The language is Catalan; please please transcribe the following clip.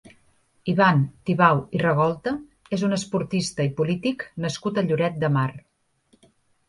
Ivan Tibau i Ragolta és un esportista i polític nascut a Lloret de Mar.